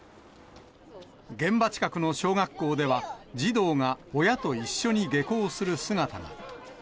現場近くの小学校では、児童が親と一緒に下校する姿が。